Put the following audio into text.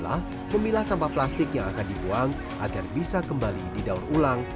dan memiliki sampah plastik yang akan dibuang agar bisa kembali di daun ulang